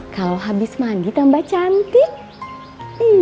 dan marah marahin saya terus